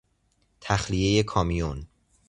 تخلیهی کامیون